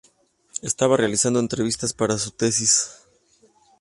Estaba realizando entrevistas para su tesis.